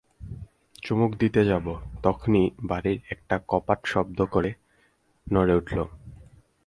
চুমুক দিতে যাব, তখনি বাড়ির একটা কপাট শব্দ করে নড়ে উঠল।